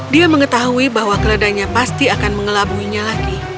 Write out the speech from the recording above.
dia mengetahui bahwa keledanya pasti akan mengelabuinya lagi